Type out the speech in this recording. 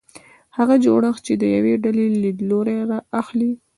هغه جوړښت چې د یوې ډلې لیدلوری اخلي.